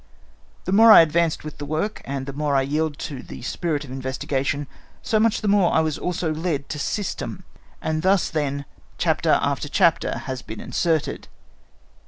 "The more I advanced with the work, and the more I yielded to the spirit of investigation, so much the more I was also led to system; and thus, then, chapter after chapter has been inserted.